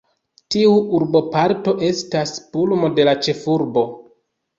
Tiu urboparto estas pulmo de la ĉefurbo.